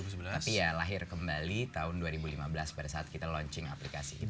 tapi ya lahir kembali tahun dua ribu lima belas pada saat kita launching aplikasi